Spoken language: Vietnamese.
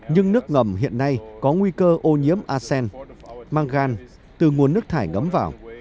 nhưng nước ngầm hiện nay có nguy cơ ô nhiễm arsen mangan từ nguồn nước thải ngấm vào